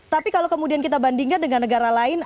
tapi kalau kemudian kita bandingkan dengan negara lain